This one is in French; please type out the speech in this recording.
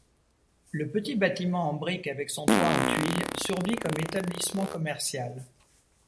Le petit bâtiment en briques avec son toit en tuiles survit comme établissement commercial.